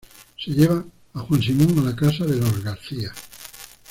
Se lleva a Juan Simón a la casa de los García.